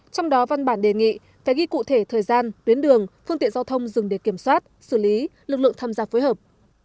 trong đó văn bản đề nghị phải ghi cụ thể thời gian tuyến đường phương tiện giao thông dừng để kiểm soát xử lý lực lượng tham gia phối hợp